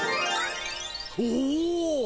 おお！